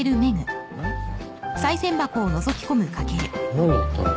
何やったの？